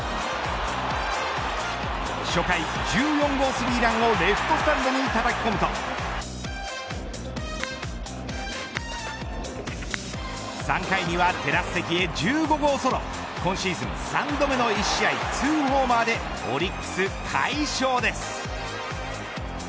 初回１４号３ランをレフトスタンドにたたき込むと３回にはテラス席へ１５号ソロ今シーズン３度目の１試合２ホーマーでオリックス快勝です。